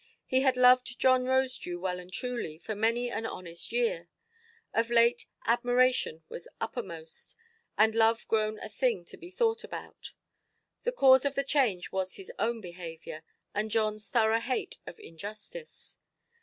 He had loved John Rosedew well and truly for many an honest year; of late, admiration was uppermost, and love grown a thing to be thought about. The cause of the change was his own behaviour, and Johnʼs thorough hate of injustice.